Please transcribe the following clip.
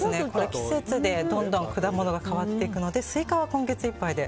季節でどんどん果物が変わっていくのでスイカは今月いっぱいで。